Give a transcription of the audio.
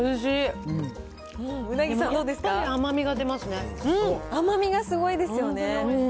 甘みがすごいですよね。